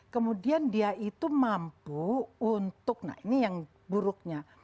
kemudian dia itu mampu untuk nah ini yang buruknya